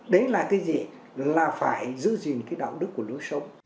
đấy là cái gì là phải giữ gìn cái đạo đức của lối sống